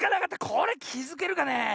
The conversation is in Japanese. これきづけるかねえ。